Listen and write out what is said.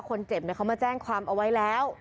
คนเจ็บเขามาแจ้งความเอาไว้แล้ว